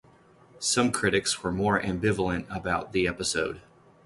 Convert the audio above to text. Some critics were more ambivalent about the episode.